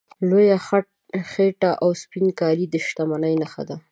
لویه خېټه او سپین کالي د شتمنۍ نښې وې.